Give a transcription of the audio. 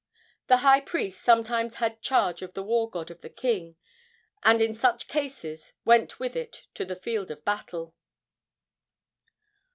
The high priest sometimes had charge of the war god of the king, and in such cases went with it to the field of battle.